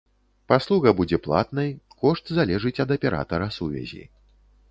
Паслуга будзе платнай, кошт залежыць ад аператара сувязі.